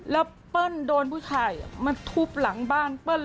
แล้วเปิ้ลโดนผู้ชายมาทุบหลังบ้านเปิ้ล